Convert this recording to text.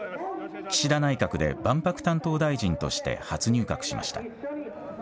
岸田内閣で万博担当大臣として初入閣しました。